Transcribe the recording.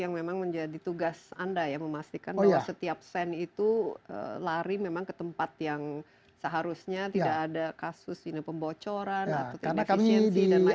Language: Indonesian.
yang memang menjadi tugas anda ya memastikan bahwa setiap sen itu lari memang ke tempat yang seharusnya tidak ada kasus pembocoran atau tidak efisiensi dan lain lain